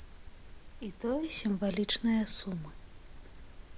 І тое сімвалічныя сумы.